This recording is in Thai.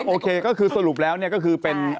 โอเคก็คือสรุปแล้วเนี่ยก็คือเป็น